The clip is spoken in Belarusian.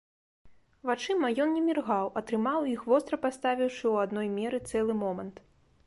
Вачыма ён не міргаў, а трымаў іх, востра паставіўшы ў адной меры цэлы момант.